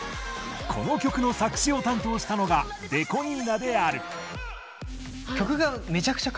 この曲の作詞を担当したのがＤＥＣＯ２７である。